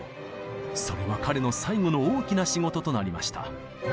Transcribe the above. それは彼の最後の大きな仕事となりました。